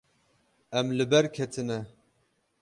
Em li ber ketine.